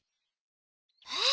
えっ？